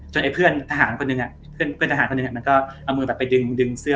จนไอ้เพื่อนทหารคนนึงมันก็เอามือไปดึงเสื้อ